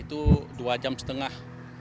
itu dua jam setengah